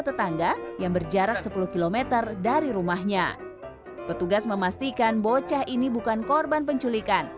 tetangga yang berjarak sepuluh km dari rumahnya petugas memastikan bocah ini bukan korban penculikan